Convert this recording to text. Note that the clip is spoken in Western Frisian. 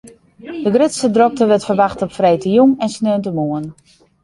De grutste drokte wurdt ferwachte op freedtejûn en sneontemoarn.